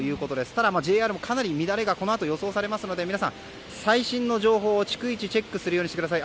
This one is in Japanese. ただ、ＪＲもかなり乱れがこのあと予想されますので皆さん、最新の情報を逐一チェックするようにしてください。